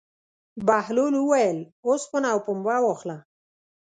بهلول وویل: اوسپنه او پنبه واخله.